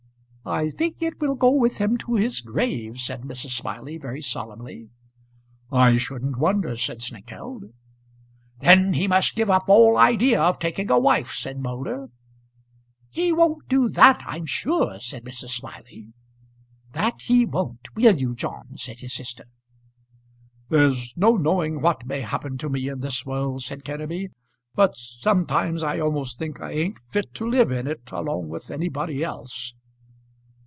"I think it will go with him to his grave," said Mrs. Smiley, very solemnly. "I shouldn't wonder," said Snengkeld. "Then he must give up all idea of taking a wife," said Moulder. "He won't do that I'm sure," said Mrs. Smiley. "That he won't. Will you, John?" said his sister. "There's no knowing what may happen to me in this world," said Kenneby, "but sometimes I almost think I ain't fit to live in it, along with anybody else."